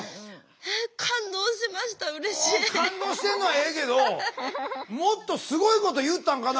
感動してんのはええけどもっとすごいこと言ったんかな